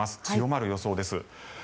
強まる予想です。